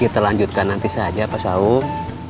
kita lanjutkan nanti saja pak saud